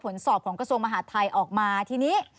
ผลสอบของกระทรวงมหาดไทยออกมาทีนี้